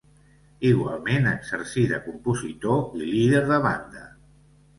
Igualment exercí de compositor i líder de banda.